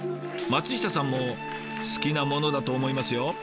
松下さんも好きなものだと思いますよ。